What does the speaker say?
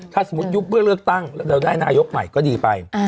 ถ้าสมมุติยุบเพื่อเลือกตั้งแล้วเราได้นายกใหม่ก็ดีไป